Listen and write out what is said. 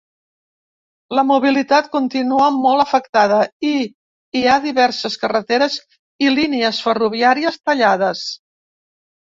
La mobilitat continua molt afectada i hi ha diverses carreteres i línies ferroviàries tallades.